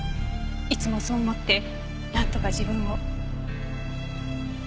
いつもそう思ってなんとか自分を。